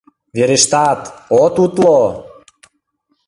— Верешта-ат, от утло-о!